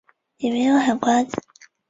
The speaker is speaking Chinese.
里面有海瓜子